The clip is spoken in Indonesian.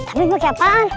tapi pakai apaan